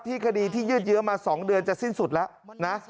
คดีที่ยืดเยอะมา๒เดือนจะสิ้นสุดแล้วนะ